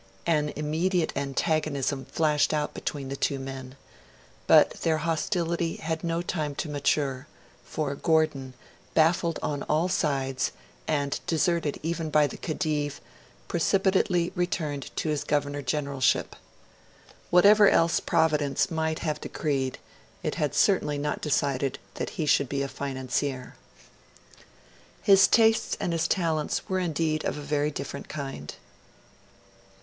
An immediate antagonism flashed out between the two men. But their hostility had no time to mature; for Gordon, baffled on all sides, and deserted even by the Khedive, precipitately returned to his Governor Generalship. Whatever else Providence might have decreed, it had certainly not decided that he should be a financier. His tastes and his talents were indeed of a very different kind.